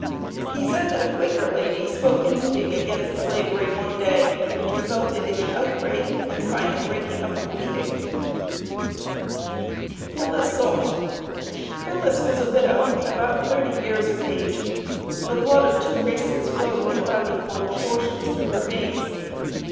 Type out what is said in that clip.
He said, that a Quaker lady spoke in meeting against Slavery one day, which resulted in an outbreak, and final breaking up of the meeting. PHILLIS GAULT. Phillis was a widow, about thirty years of age; the blood of two races flowed in about equal proportions through her veins.